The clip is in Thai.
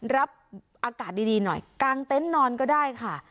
รับอากาศดีหน่อยกางเต็นต์นอนก็ได้ค่ะ